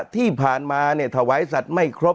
ที่ผ่านมาเนี่ยถวายทรัพย์ไม่ครบ